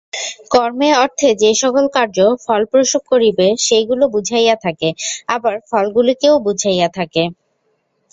কর্ম-অর্থে যে-সকল কার্য ফলপ্রসব করিবে, সেইগুলি বুঝাইয়া থাকে, আবার ফলগুলিকেও বুঝাইয়া থাকে।